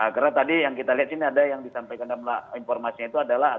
karena tadi yang kita lihat sini ada yang disampaikan dalam informasinya itu adalah